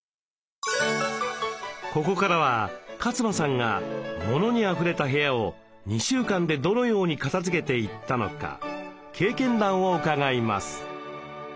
ここからは勝間さんがモノにあふれた部屋を２週間でどのように片づけていったのか経験談を伺います。